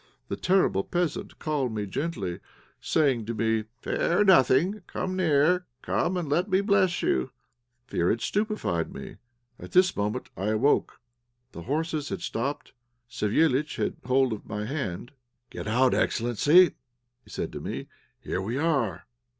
The terrible peasant called me gently, saying to me "Fear nothing, come near; come and let me bless you." Fear had stupified me.... At this moment I awoke. The horses had stopped; Savéliitch had hold of my hand. "Get out, excellency," said he to me; "here we are."